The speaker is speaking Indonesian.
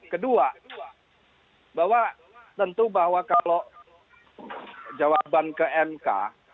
kedua bahwa tentu bahwa kalau jawaban ke mk